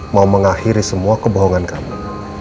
mau mengakhiri semua kebohongan kami